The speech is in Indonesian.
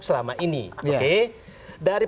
selama ini dari